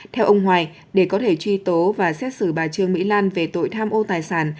theo ông hoài để có thể truy tố và xét xử bà trương mỹ lan về tội tham ô tài sản